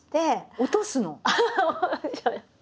落とすの？